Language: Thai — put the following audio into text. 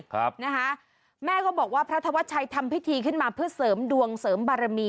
ครับนะคะแม่ก็บอกว่าพระธวัชชัยทำพิธีขึ้นมาเพื่อเสริมดวงเสริมบารมี